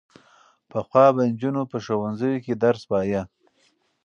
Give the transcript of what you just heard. پخوا به نجونو په ښوونځیو کې درس وايه.